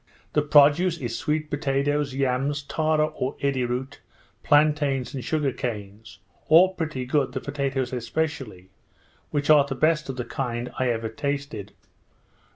The produce is sweet potatoes, yams, tara or eddy root, plantains, and sugar canes, all pretty good, the potatoes especially, which are the best of the kind I ever tasted.